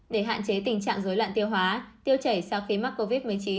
để hạn chế tình trạng dối loạn tiêu hóa tiêu chảy sau khi mắc covid một mươi chín